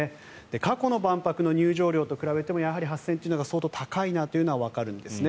過去の万博の入場料と比べてもやはり８０００円というのが相当高いなというのはわかるんですね。